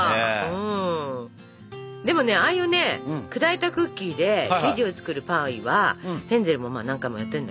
でもねああいうね砕いたクッキーで生地を作るパイはヘンゼルも何回もやってるんだけど。